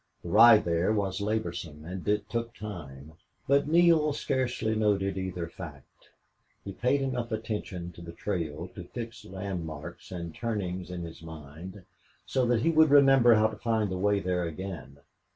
The ride there was laborsome and it took time, but Neale scarcely noted either fact. He paid enough attention to the trail to fix landmarks and turnings in his mind, so that he would remember how to find the way there again.